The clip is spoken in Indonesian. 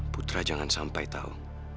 putra jangan sampai tahu